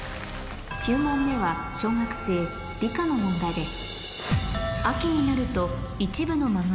９問目は小学生理科の問題です